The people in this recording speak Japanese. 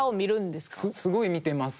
すごい見てます。